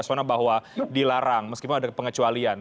suasana bahwa dilarang meskipun ada pengecualian